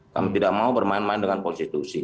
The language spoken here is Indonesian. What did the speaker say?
kami tidak mau bermain main dengan konstitusi